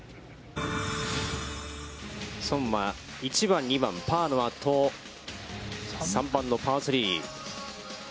宋は１番、２番、パーのあと、３番のパー３。